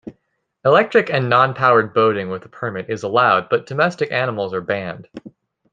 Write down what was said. Electric and non-powered boating with a permit is allowed, but domestic animals are banned.